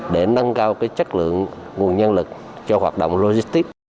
để nâng cao chất lượng nguồn nhân lực cho hoạt động logistics